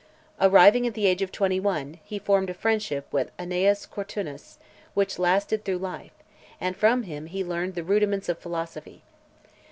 Arriving at the age of twenty one, he formed a friendship with Annaeus Cornutus , which lasted through life; and from him he learned the rudiments of philosophy.